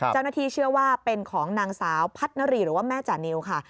เจ้าหน้าที่เชื่อว่าเป็นของนางสาวพัฒนารีหรือว่าแม่จานิวค่ะ